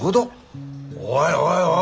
おいおい